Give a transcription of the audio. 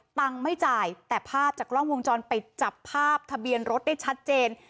ไม่จ่ายแต่ภาพจากกล้องวงจรปิดจับภาพทะเบียนรถได้ชัดเจน